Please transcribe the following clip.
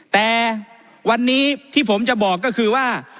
แต่วันนี้ที่ผมจะบอกก็คือว่า